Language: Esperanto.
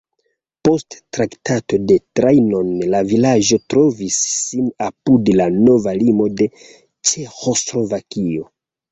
Post Traktato de Trianon la vilaĝo trovis sin apud la nova limo de Ĉeĥoslovakio.